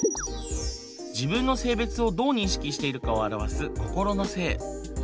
自分の性別をどう認識しているかを表す心の性。